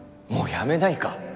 もうやめないか？